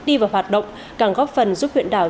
đi vào hoạt động càng góp phần giúp huyện đảo